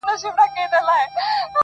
لمبه دي نه کړم سپیلنی دي نه کړم ,